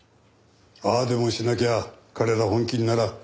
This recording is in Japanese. ああでもしなきゃ彼ら本気にならん。